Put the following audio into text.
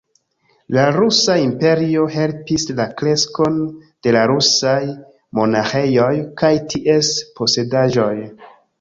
La rusa imperio helpis la kreskon de la rusaj monaĥejoj kaj ties posedaĵoj.